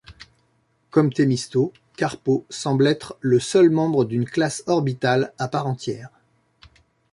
Comme Thémisto, Carpo semble être le seul membre d'une classe orbitale à part entière.